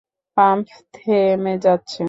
Pump থেমে যাচ্ছে!